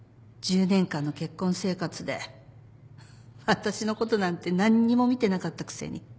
１０年間の結婚生活で私のことなんて何にも見てなかったくせに。